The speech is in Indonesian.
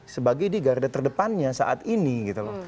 sebagai di garda terdepannya saat ini gitu loh